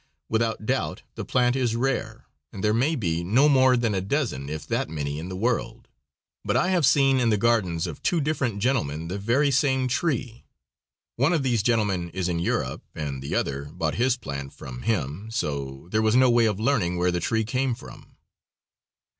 Without doubt the plant is rare and there may be no more than a dozen, if that many, in the world; but I have seen in the gardens of two different gentlemen the very same tree. One of these gentlemen is in Europe, and the other bought his plant from him, so there was no way of learning where the tree came from.